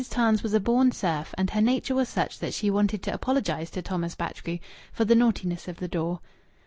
Tams was a born serf, and her nature was such that she wanted to apologize to Thomas Batchgrew for the naughtiness of the door.